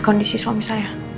kondisi suami saya